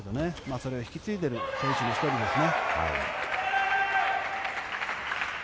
それを引き継いでいる選手の１人ですね。